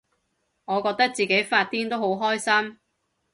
我覺得自己發癲都好開心